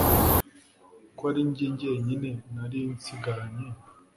Ko ari njye jyenyine nari nsigaranye